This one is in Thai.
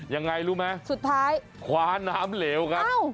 ยังไงรู้ไหมสุดท้ายคว้าน้ำเหลวครับ